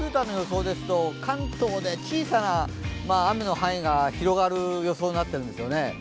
今夜、コンピューターの予想ですと、関東で小さな雨の範囲が広がる予想になっているんですよね。